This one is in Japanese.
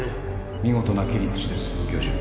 見事な切り口です教授